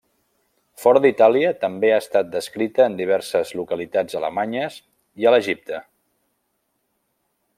Fora d'Itàlia també ha estat descrita en diverses localitats alemanyes i a l'Egipte.